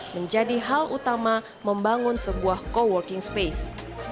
menjadi hal utama membangun sebuah co working space